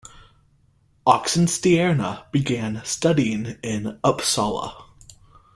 Oxenstierna began studying in Uppsala.